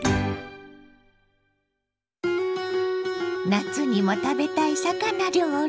夏にも食べたい魚料理。